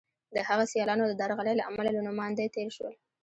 د هغه سیالانو د درغلۍ له امله له نوماندۍ تېر شول.